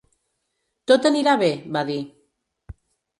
Tot anirà bé, va dir.